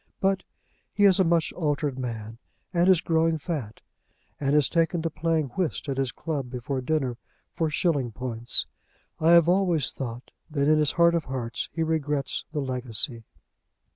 But he is a much altered man, and is growing fat, and has taken to playing whist at his club before dinner for shilling points. I have always thought that in his heart of hearts he regrets the legacy.